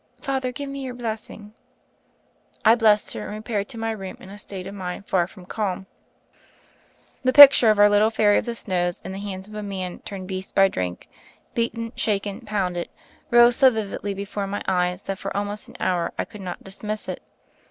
Father, give me your blessing." I blessed her and repaired to my room in a state of mind far from calm. The picture of our little Fairy of the Snows in the hands of a man, turned beast by drink — ^beaten, shaken, pounded — rose so vividly before my eyes that for almost an hour I could not dismiss it.